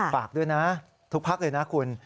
ฝากด้วยนะทุกพักเลยนะคุณ